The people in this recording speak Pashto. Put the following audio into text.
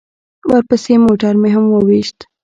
ورپسې موټر مې هم وويشت.